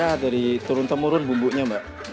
ya dari turun temurun bumbunya mbak